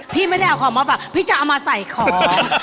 พี่ไม่ได้เอาของมาฝากพี่จะเอามาใส่ของ